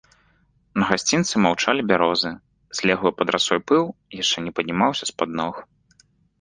На гасцінцы маўчалі бярозы, злеглы пад расой пыл яшчэ не паднімаўся з-пад ног.